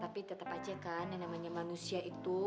tapi tetap aja kan yang namanya manusia itu